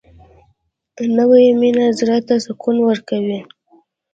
نوې مینه زړه ته سکون ورکوي